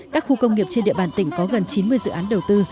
các khu công nghiệp trên địa bàn tỉnh có gần chín mươi dự án đầu tư